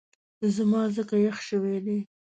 زما ځکه یخ شوی دی